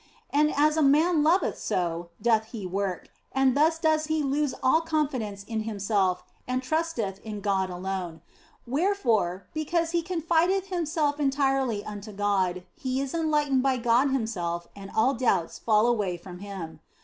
And as a man loveth so doth he work, and thus doth he lose all confidence in him self and trusteth in God alone ; wherefore, because he confideth himself entirely unto God, he is enlightened by God Himself and all doubts fall away from him.